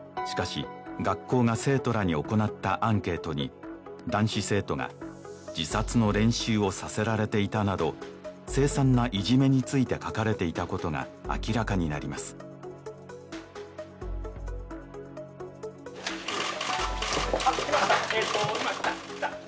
しかし学校が生徒らに行ったアンケートに男子生徒が自殺の練習をさせられていたなど凄惨ないじめについて書かれていたことが明らかになります来ました